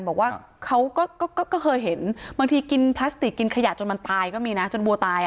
บอกว่าเขาก็เคยเห็นบางทีกินพลาสติกกินขยะจนมันตายก็มีนะจนวัวตาย